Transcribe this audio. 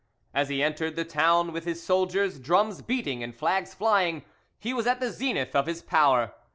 As he entered the town with his soldiers, drums beating and flags flying, he was at the zenith of his power.